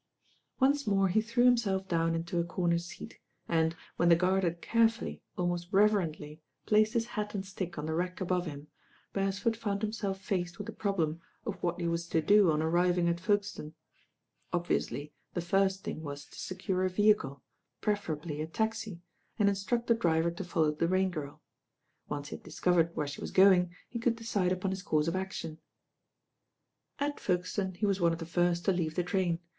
Once more he threw himself down into a comer seat, and, when the guard had carefully, almost rev* crently, placed his hat and stick on the rack above him, Beresford found himself faced with the prob lem of what he was to do on arriving at Folkestone Obviously the first thing was to secure a vehicle, preferably a taxi, and instruct the driver to follow the Rain^irl. Once he had discovered where she was going, he could decide upon his course of action. At Folkeuone he was one of the first to leave the train.